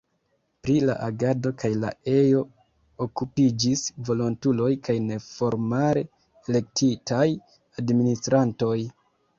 Pri la agado kaj la ejo okupiĝis volontuloj kaj neformale elektitaj administrantoj.